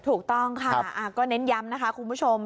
ถูกต้องค่ะก็เน้นย้ำนะคะคุณผู้ชม